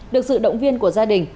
được sự động viên của gia đình